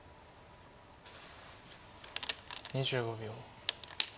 ２５秒。